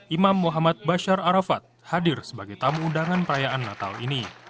imam muhammad basyar arafat hadir sebagai tamu undangan perayaan natal ini